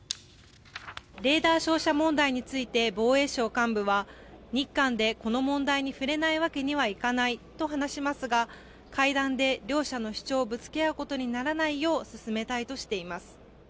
レーダー照射問題について防衛省幹部は日韓で、この問題に触れないわけにはいかないと話しますが会談で両者の主張をぶつけ合うことにならないよう進めたいとしています。